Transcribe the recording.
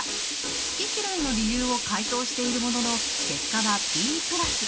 好き嫌いの理由を解答しているものの結果はＢプラス。